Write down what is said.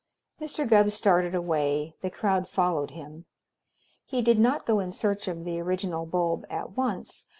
Mr. Gubb started away. The crowd followed him. He did not go in search of the original bulb at once.